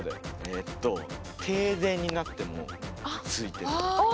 えっと停電になってもついてる。